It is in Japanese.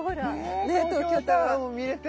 東京タワーも見れて。